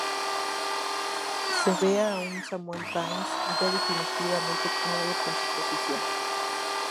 Se ve a un Samuel Vimes ya definitivamente cómodo con su posición.